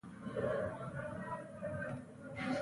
کندوز ته ورسېد.